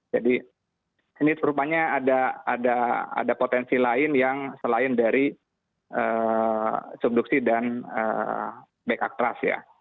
jadi ini rupanya ada potensi lain yang selain dari subduksi dan back actress ya